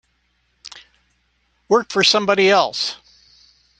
Work for somebody else.